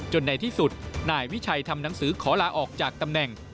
ในที่สุดนายวิชัยทำหนังสือขอลาออกจากตำแหน่ง